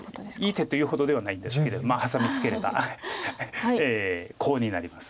いい手というほどではないんですけれどハサミツケればコウになります。